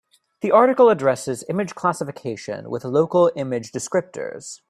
The article addresses image classification with local image descriptors.